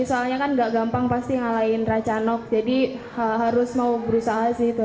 soalnya kan gak gampang pasti ngalahin racanok jadi harus mau berusaha sih itu